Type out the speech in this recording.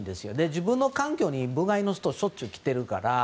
自分の環境に部外の人がしょっちゅう来てるから。